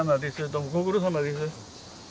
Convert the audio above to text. どうもご苦労さまです。